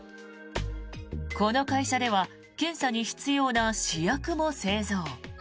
この会社では検査に必要な試薬も製造。